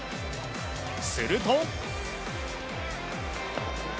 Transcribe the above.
すると。